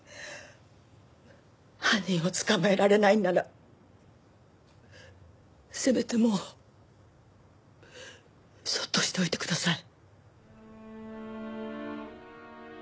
犯人を捕まえられないのならせめてもうそっとしておいてください。